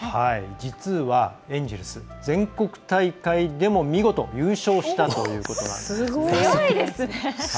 実は、エンジェルス全国大会でも見事優勝したということなんです。